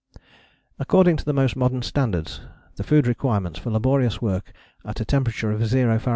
According to the most modern standards the food requirements for laborious work at a temperature of zero Fahr.